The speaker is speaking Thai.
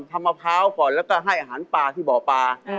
มะพร้าวก่อนแล้วก็ให้อาหารปลาที่บ่อปลา